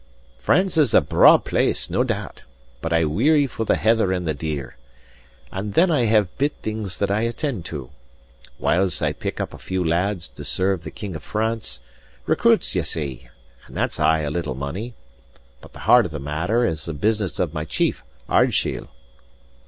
"France is a braw place, nae doubt; but I weary for the heather and the deer. And then I have bit things that I attend to. Whiles I pick up a few lads to serve the King of France: recruits, ye see; and that's aye a little money. But the heart of the matter is the business of my chief, Ardshiel."